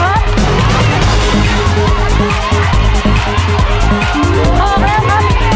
ออกแล้วครับ